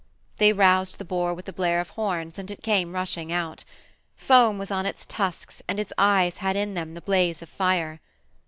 They roused the boar with the blare of horns and it came rushing out. Foam was on its tusks, and its eyes had in them the blaze of fire.